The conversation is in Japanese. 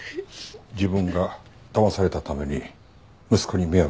自分がだまされたために息子に迷惑をかけた。